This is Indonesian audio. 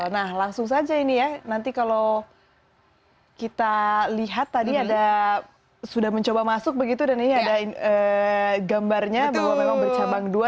nah langsung saja ini ya nanti kalau kita lihat tadi ada sudah mencoba masuk begitu dan ini ada gambarnya bahwa memang bercabang dua